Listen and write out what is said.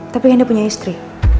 tapi kan dia punya istri